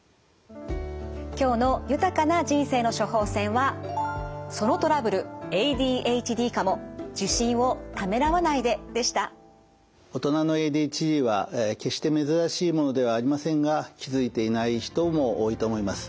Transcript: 今日の豊かな人生の処方せんは大人のＡＤＨＤは決して珍しいものではありませんが気付いていない人も多いと思います。